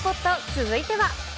続いては。